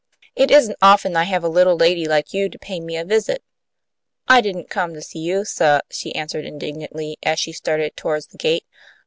It isn't often I have a little lady like you pay me a visit." "I didn't come to see you, suh," she answered, indignantly, as she started toward the gate.